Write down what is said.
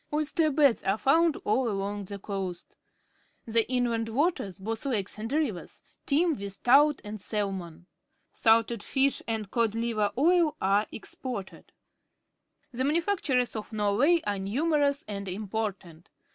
Oyster beds are found all along the coast. The^nland waters, both lakes and ri \ ers, teem with trout^and salmon . Salteifish and cod liver oiPare exported. The manufactures of Norway are numerous and important.